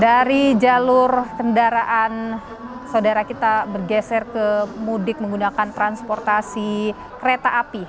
dari jalur kendaraan saudara kita bergeser ke mudik menggunakan transportasi kereta api